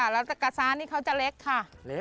แล้วตะซ้านี่เขาจะเล็กค่ะ